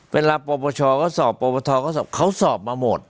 เวลาประปบชก็สอบประปบทก็สอบเขาสอบมาหมด